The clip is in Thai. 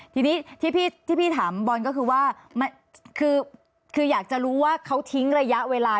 ทีนี้ที่พี่ถามบอลก็คือว่าคืออยากจะรู้ว่าเขาทิ้งระยะเวลา